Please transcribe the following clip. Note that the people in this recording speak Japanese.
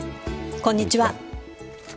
こんにちは。